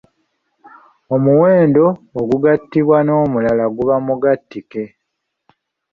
Omuwendo ogugattibwa n’omulala guba Mugattike.